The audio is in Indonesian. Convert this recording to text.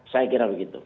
saya kira begitu